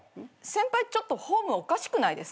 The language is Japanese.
先輩ちょっとフォームおかしくないですか？